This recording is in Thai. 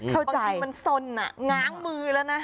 เข้าใจบางทีมันสนอะง้างมือแล้วนะ